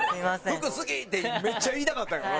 「服好き！」ってめっちゃ言いたかったんやろな。